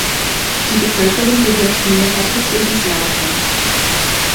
Die Bevölkerung gehört mehrheitlich dem Islam an.